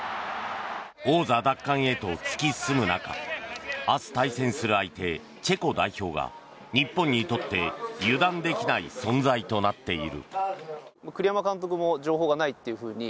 王座奪還へと突き進む中明日対戦する相手チェコ代表が日本にとって油断できない存在となっている。